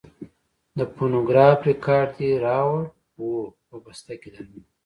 د فونوګراف رېکارډ دې راوړ؟ هو، په بسته کې دننه.